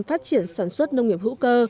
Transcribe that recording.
phát triển sản xuất nông nghiệp hữu cơ